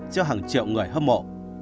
cho hàng triệu người hâm mộ